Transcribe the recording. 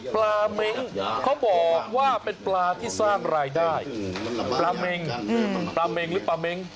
เม้งเขาบอกว่าเป็นปลาที่สร้างรายได้ปลาเม็งปลาเม็งหรือปลาเม้ง